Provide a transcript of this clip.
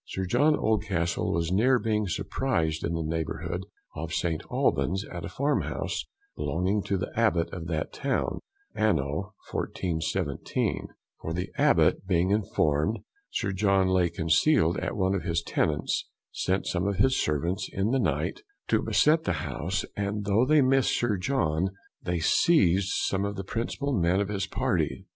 Sir John Oldcastle was near being surprised in the neighbourhood of St. Alban's, at a farmhouse belonging to the Abbot of that town, anno 1417; for the Abbot being informed Sir John lay concealed at one of his Tenants, sent some of his servants, in the night, to beset the house, and though they missed of Sir John, they seized some of the principal men of his party.